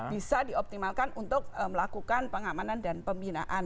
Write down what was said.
bisa dioptimalkan untuk melakukan pengamanan dan pembinaan